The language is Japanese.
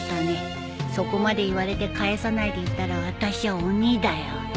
そこまで言われて返さないでいたらあたしゃ鬼だよ